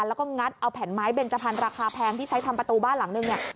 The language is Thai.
แล้วก็งัดเอาแผ่นไม้เบนจพันธ์ราคาแพงที่ใช้ทำประตูบ้านหลังนึงเนี่ย